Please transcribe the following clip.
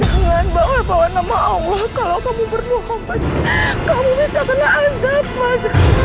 jangan bawa bawa nama allah kalau kamu perlu khawatir kamu bisa kena azab mas